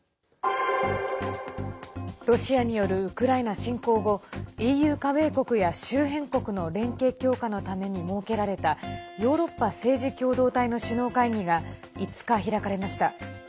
ロシアによるウクライナ侵攻後ＥＵ加盟国や周辺国の連携強化のために設けられたヨーロッパ政治共同体の首脳会議が５日、開かれました。